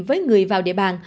với người vào địa bàn